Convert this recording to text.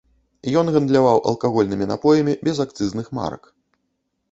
Ён гандляваў алкагольнымі напоямі без акцызных марак.